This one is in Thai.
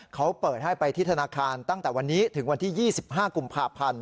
เขาเปิดให้ไปที่ธนาคารตั้งแต่วันนี้ถึงวันที่๒๕กุมภาพันธ์